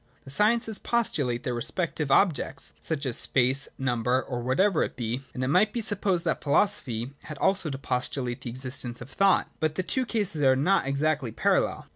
The sciences postu late their respective objects, such as space, number, or whatever it be ; and it might be supposed that philo sophy had also to postulate the existence of thought. But the two cases are not exactly parallel.